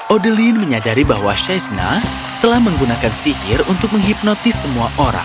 odeline menyadari bahwa shaishna telah menggunakan sihir untuk menghipnotis semua orang